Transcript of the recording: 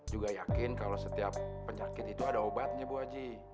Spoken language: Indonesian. juga yakin kalau setiap penyakit itu ada obatnya bu aji